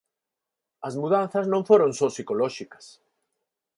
As mudanzas non foron só psicolóxicas.